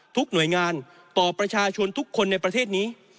ทุกหน่วยงานต่อประชาชนทุกคนในประเทศนี้